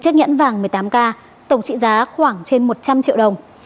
tổng trị giá khoảng trên một trăm linh triệu đồng